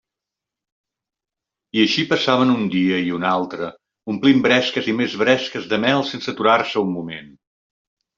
I així passaven un dia i un altre omplint bresques i més bresques de mel sense aturar-se un moment.